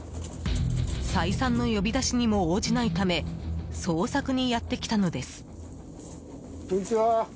再三の呼び出しにも応じないため捜索にやってきたのです。